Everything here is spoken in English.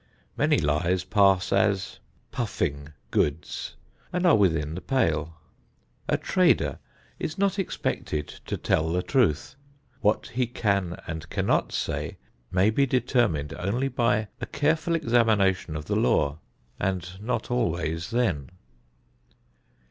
Many lies pass as "puffing goods" and are within the pale. A trader is not expected to tell the truth. What he can and cannot say may be determined only by a careful examination of the law, and not always then.